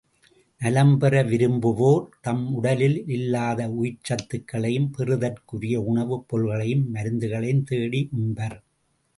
நலம்பெற விரும்புவோர் தம் உடலில் இல்லாத உயிர்ச்சத்துக்களைப் பெறுதற்குரிய உணவுப் பொருள்களையும் மருந்துகளையும் தேடி உண்பர்.